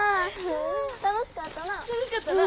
楽しかったな。